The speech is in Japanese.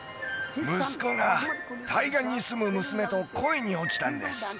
息子が対岸に住む娘と恋に落ちたんです